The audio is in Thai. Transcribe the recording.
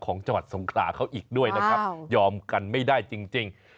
ของจังหวัดสงขลาเขาอีกด้วยนะครับยอมกันไม่ได้จริง